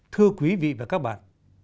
thưa quý vị và các bạn